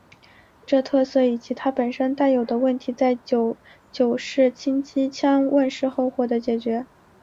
这特色以及它本身带有的问题在九九式轻机枪问世后获得解决。